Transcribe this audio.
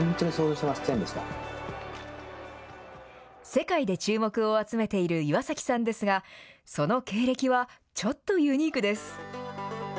世界で注目を集めている岩崎さんですが、その経歴はちょっとユニークです。